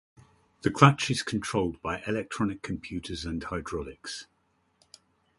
The clutch is controlled by electronic computers and hydraulics.